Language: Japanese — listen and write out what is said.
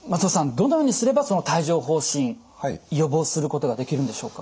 どのようにすればその帯状ほう疹予防することができるんでしょうか？